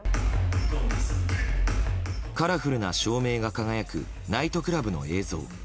カラフルな照明が輝くナイトクラブの映像。